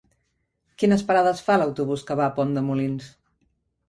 Quines parades fa l'autobús que va a Pont de Molins?